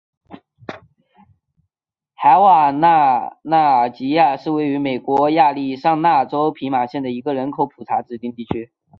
海瓦纳纳基亚是位于美国亚利桑那州皮马县的一个人口普查指定地区。